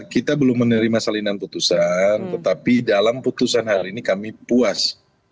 kita belum menerima salinan putusan tetapi dalam putusan hari ini kami puas